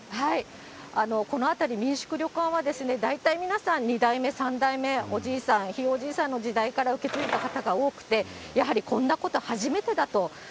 この辺り、民宿、旅館は、大体皆さん２代目、３代目、おじいさんやひいおじいさんの時代から受け継いだ方が多くて、やはりこんなこと初めてだと。